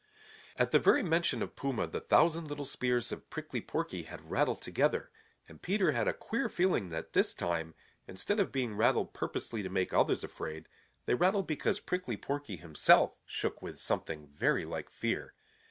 At the very mention of Puma the thousand little spears of Prickly Porky had rattled together, and Peter had a queer feeling that this time, instead of being rattled purposely to make others afraid, they rattled because Prickly Porky himself shook with something very like fear.